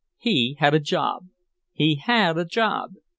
He had a job! He had a job!